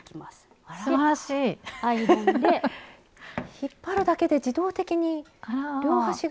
引っ張るだけで自動的に両端が。